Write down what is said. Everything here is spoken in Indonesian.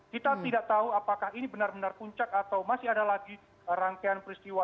kita tidak tahu apakah ini benar benar puncak atau masih ada lagi rangkaian peristiwa